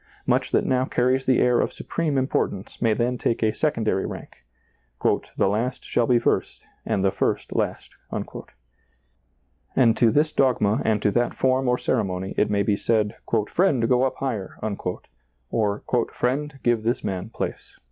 Much that now car ries the air of supreme importance may then take a secondary rank ;" the last shall be first, and the first last." And to this dogma and to that form or ceremony it may be said, " Friend, go up higher," or " Friend, give this man place."